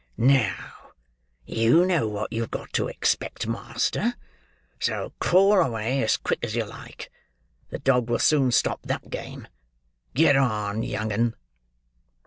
"Now, you know what you've got to expect, master, so call away as quick as you like; the dog will soon stop that game. Get on, young'un!"